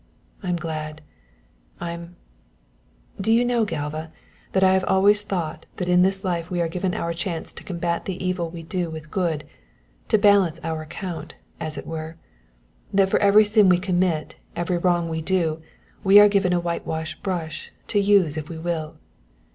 I'm glad. I'm do you know, Galva, that I have always thought that in this life we are given our chance to combat the evil we do with good, to balance our account, as it were; that for every sin we commit, every wrong we do, we are given a whitewash brush, to use if we will."